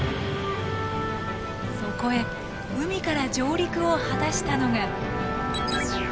そこへ海から上陸を果たしたのが。